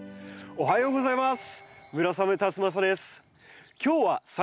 おはようございます！